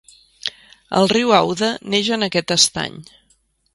El riu Aude neix en aquest estany.